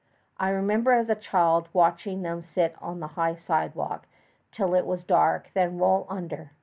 I remember as a child watching them sit on the high sidewalk till it was dark, then roll under.